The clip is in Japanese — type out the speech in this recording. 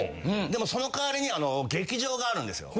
でもそのかわりに劇場があるんですよ。